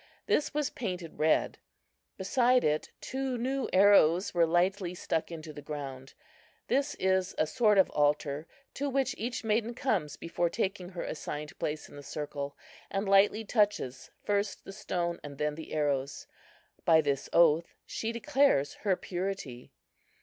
This was painted red. Beside it two new arrows were lightly stuck into the ground. This is a sort of altar, to which each maiden comes before taking her assigned place in the circle, and lightly touches first the stone and then the arrows. By this oath she declares her purity.